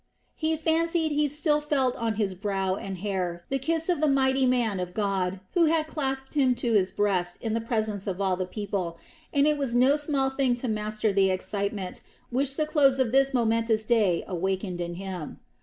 He fancied he still felt on his brow and hair the kiss of the mighty man of God who had clasped him to his breast in the presence of all the people, and it was no small thing to master the excitement which the close of this momentous day awakened in him.